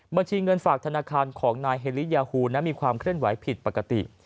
บัญชีเงินฝากธนาคารของนายเฮลียาฮูนั้นมีความเคลื่อนไหวผิดปกติ